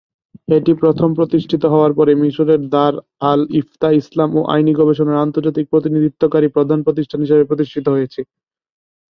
এটি প্রথম প্রতিষ্ঠিত হওয়ার পরে, মিশরের দার আল-ইফতা ইসলাম ও আইনি গবেষণার আন্তর্জাতিক প্রতিনিধিত্বকারী প্রধান প্রতিষ্ঠান হিসাবে প্রতিষ্ঠিত হয়েছে।